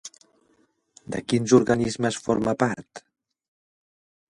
De quins organismes forma part?